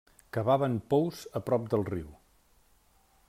Cavaven pous a prop del riu.